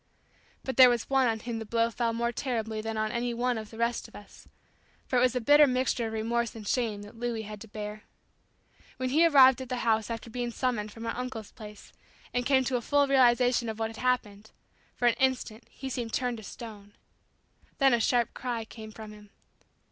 But there was one on whom the blow fell more terribly than on any one of the rest of us, for it was a bitter mixture of remorse and shame that Louis had to bear. When he arrived at the house after being summoned from our uncle's place, and came to a full realization of what had happened, for an instant he seemed turned to stone. Then a sharp cry came from him.